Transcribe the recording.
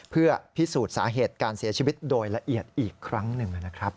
เพื่อพิสูจน์สาเหตุการเสียชีวิตโดยละเอียดอีกครั้งหนึ่งนะครับ